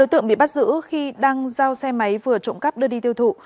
ba đối tượng bị bắt giữ khi đang giao xe máy vừa trụng cắp đưa đi tiêu thụ